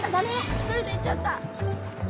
１人で行っちゃった。